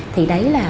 thì đấy là